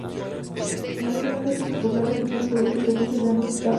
En la zona, casi despoblada, surgieron poderosas defensas de ambos Estados.